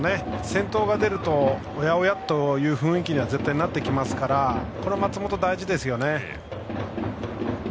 先頭が出るとおやおや？という雰囲気には絶対になってきますから松本、これは大事ですね。